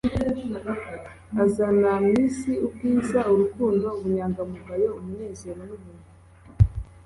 azana mwisi ... ubwiza, urukundo, ubunyangamugayo, umunezero, nubuntu